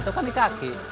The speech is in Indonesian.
tukang di kaki